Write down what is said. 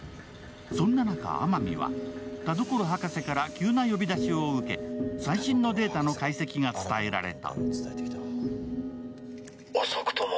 そんな中、天海は田所博士から急な呼び出しを受け最新のデータの解析が伝えられた。